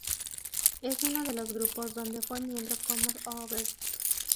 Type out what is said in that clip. Es uno de los grupos donde fue miembro Conor Oberst.